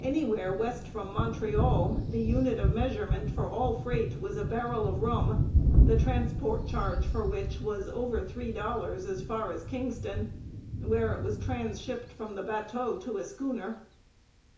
Anywhere west from Montreal the unit of measurement for all freight was a barrel of rum, the transport charge for which was over three dollars as far as Kingston, where it was trans shipped from the bateau to a schooner.